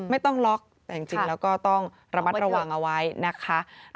ไม่ต้องล็อกแต่จริงแล้วก็ต้องระมัดระวังเอาไว้นะคะ